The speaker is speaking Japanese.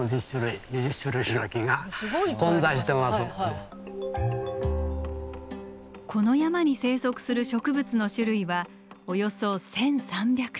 一目見ただけで多分この山に生息する植物の種類はおよそ１，３００種。